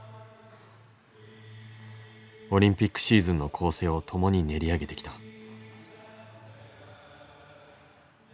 オリンピックシーズンの構成を共に練り上げてきた。